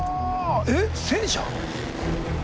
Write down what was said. えっ戦車？